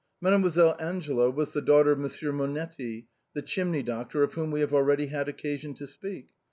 Mademoiselle Angela was the daughter of Monsieur Mo netti, the chimney doctor, of whom we have already had occasion to speak.